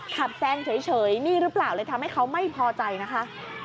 แซงเฉยนี่หรือเปล่าเลยทำให้เขาไม่พอใจนะคะ